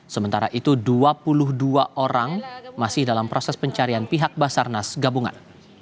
sementara itu dua puluh dua orang masih dalam proses pencarian pihak basarnas gabungan